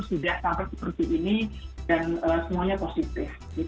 sudah sampai seperti ini dan semuanya positif